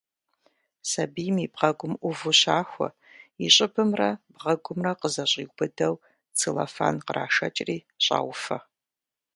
Сабийм и бгъэгум ӏуву щахуэ, и щӏыбымрэ бгъэгумрэ къызэщӏиубыдэу целлофан кърашэкӏри, щӏауфэ.